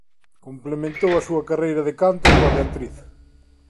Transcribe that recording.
Complementou a súa carreira de canto coa de actriz.